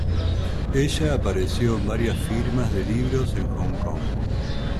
Ella apareció en varias firmas de libros en Hong Kong.